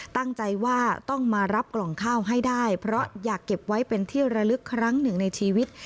ตั้งใจว่าต้องมารับกล่องข้าวให้ได้เพราะอยากเก็บไว้เป็นที่ระลึกครั้งหนึ่งในชีวิต